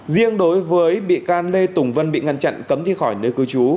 riêng đối với bị can lê tùng vân bị ngăn chặn cấm đi khỏi nơi cư trú